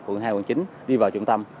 phương hai phương chín đi vào trung tâm